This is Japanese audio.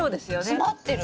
詰まってる。